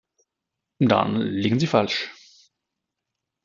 Dann liegen Sie falsch.